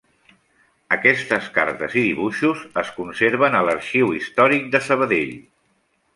Aquestes cartes i dibuixos es conserven a l’Arxiu Històric de Sabadell.